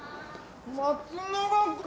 松永君！